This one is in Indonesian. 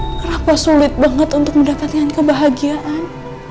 kenapa sulit banget untuk mendapatkan kebahagiaan